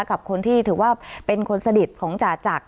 กับคนที่ถือว่าเป็นคนสนิทของจ่าจักร